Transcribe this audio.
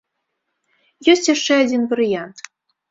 Ёсць яшчэ адзін варыянт.